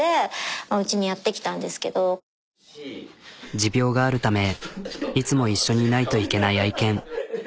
持病があるためいつも一緒にいないといけない愛犬。